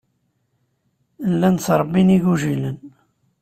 Llan ttṛebbin igujilen.